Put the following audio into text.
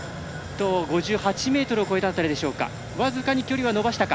５８ｍを超えたあたりでしょうか。